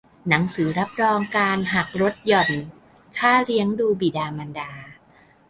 หนังสือรับรองการหักลดหย่อนค่าเลี้ยงดูบิดามารดา